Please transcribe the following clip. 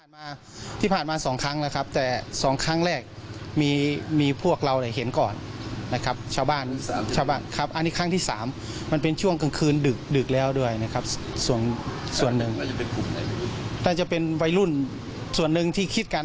มันไสหรือเปล่า